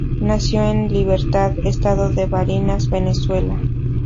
Nació en Libertad, estado de Barinas, Venezuela.